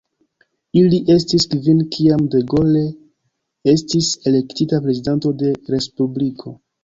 Ili estis kvin kiam de Gaulle estis elektita prezidanto de Respubliko.